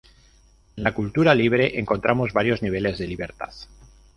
En la cultura libre encontramos varios niveles de libertad.